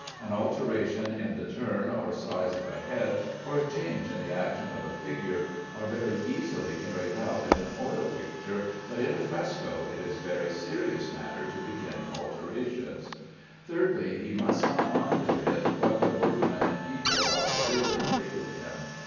An alteration in the turn or size of a head, or a change in the action of a figure, are very easily carried out in an oil picture, but in a fresco it is a very serious matter to begin alterations. Thirdly, he must not mind a bit what the workmen and people about the building think of him.